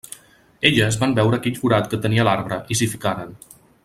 Elles van veure aquell forat que tenia l'arbre i s'hi ficaren.